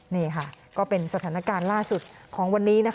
นี่ค่ะก็เป็นสถานการณ์ล่าสุดของวันนี้